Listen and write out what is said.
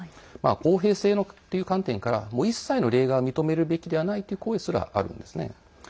公平性という観点から一切の例外を認めるべきではないという声すらあるんですね。